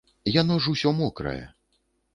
Яно ж усё мокрае.